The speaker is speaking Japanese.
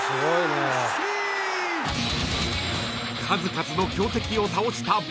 ［数々の強敵を倒した］